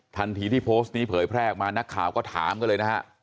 ทันทีที่โพสต์นี้เผยแพร่ออกมานักข่าวก็ถามกันเลยนะฮะ